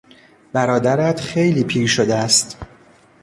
برادرت خیلی پیر شده است.